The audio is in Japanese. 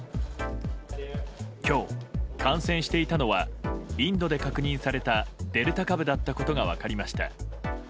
今日、感染していたのはインドで確認されたデルタ株だったことが分かりました。